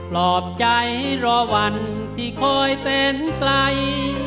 ปลอบใจรอวันที่คอยแสนไกล